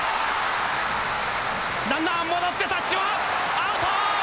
ランナー戻ってタッチはアウト！